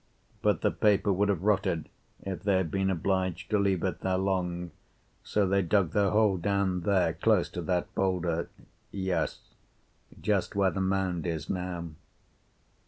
But the paper would have rotted if they had been obliged to leave it there long, so they dug their hole down there, close to that boulder. Yes, just where the mound is now.